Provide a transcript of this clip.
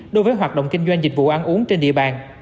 đối với hoạt động kinh doanh dịch vụ ăn uống trên địa bàn